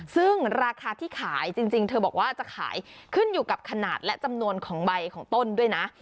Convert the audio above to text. ซึ่งราคาที่ขายจริงเธอบอกว่าจะขายขึ้นอยู่กับขนาดและจำนวนของใบของต้นด้วยนะ